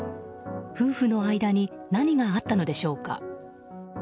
夫婦の間に何があったのでしょうか。